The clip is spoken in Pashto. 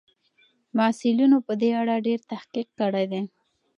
محصلینو په دې اړه ډېر تحقیق کړی دی.